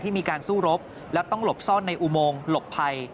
มีการสู้รบและต้องหลบซ่อนในอุโมงหลบภัย